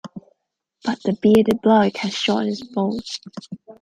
But the bearded bloke had shot his bolt.